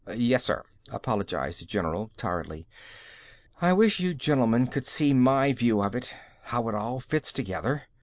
"Yes, sir," apologized the general tiredly. "I wish you gentlemen could see my view of it, how it all fits together.